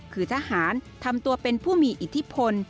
คือทหารทำตัวเป็นผู้มีอิทธิพล